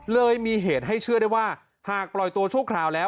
เลยมีเหตุให้เชื่อได้ว่าหากปล่อยตัวชั่วคราวแล้ว